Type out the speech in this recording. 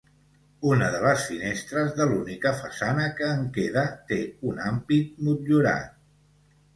Una de les finestres de l'única façana que en queda té un ampit motllurat.